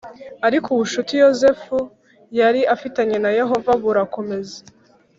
Ariko ubucuti Yozefu yari afitanye na Yehova burakomeza